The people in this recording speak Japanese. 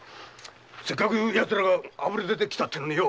せっかく奴らがあぶり出てきたのによ！